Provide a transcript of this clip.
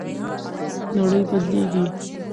نړۍ بدلیږي.